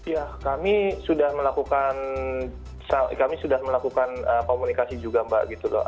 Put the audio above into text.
ya kami sudah melakukan komunikasi juga mbak gitu loh